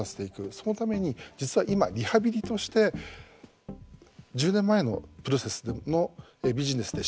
そのために実は今リハビリとして１０年前のプロセスのビジネスでしっかりビジネスを取る。